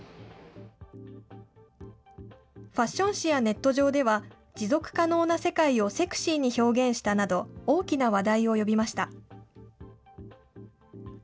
ファッション誌やネット上では、持続可能な世界をセクシーに表現したなど、大きな話題を呼びました。